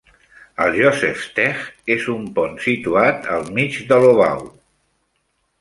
El "Josefsteg" és un pont situat al mig de Lobau.